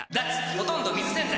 ほとんど水洗剤